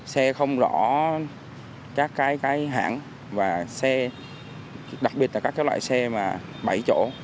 xe không rõ các cái hãng và xe đặc biệt là các loại xe bảy chỗ